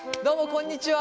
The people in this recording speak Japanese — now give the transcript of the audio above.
こんにちは。